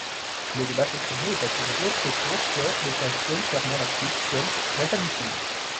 Lait de vache écrémé et pasteurisé, présure, chlorure de calcium, ferments lactiques, sel, natamycine.